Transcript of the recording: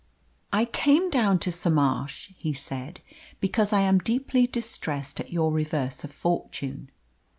"I came down to Somarsh," he said, "because I am deeply distressed at your reverse of fortune.